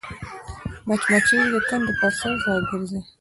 مچمچۍ د کندو پر سر راګرځي